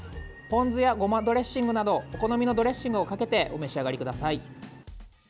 ポン酢やごまドレッシングなどお好みのドレッシングをかけてお召し上がりください。